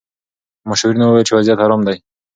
مشاورینو وویل چې وضعیت ارام دی.